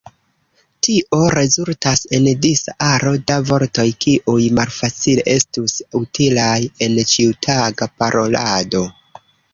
Tio rezultas en disa aro da vortoj kiuj malfacile estus utilaj en ĉiutaga parolado.